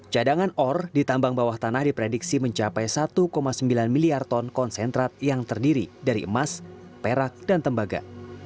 cadangan ore di tambang bawah tanah diprediksi mencapai satu sembilan miliar ton konsentrat yang terdiri dari emas perak dan tembaga